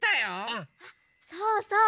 あそうそう！